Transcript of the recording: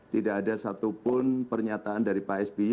tidak ada satupun pernyataan dari pak sby